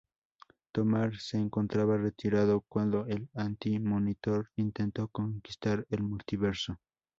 Tomar se encontraba retirado cuando el Anti-Monitor intentó conquistar el multiverso.